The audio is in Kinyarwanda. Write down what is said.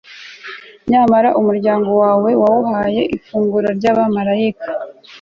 nyamara umuryango wawe wawuhaye ifunguro ry'abamalayika